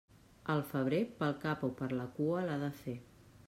El febrer pel cap o per la cua l'ha de fer.